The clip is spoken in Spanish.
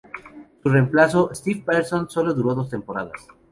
Su reemplazo, Steve Paterson, sólo duró dos temporadas.